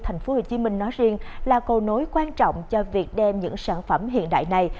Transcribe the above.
tp hcm nói riêng là cầu nối quan trọng cho việc đem những sản phẩm hiện đại này